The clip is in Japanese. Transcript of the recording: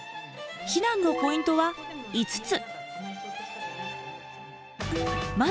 避難のポイントは５つ。